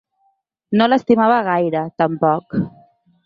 No l'estimava gaire, tampoc.